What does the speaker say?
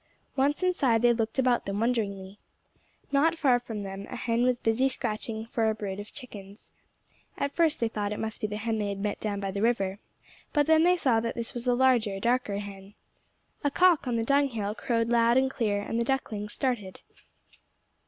Once inside they looked about them wonderingly. Not far from them a hen was busily scratching for a brood of chickens. At first they thought it must be the hen they had met down by the river, but then they saw that this was a larger, darker hen. A cock on the dung hill crowed loud and clear, and the ducklings started.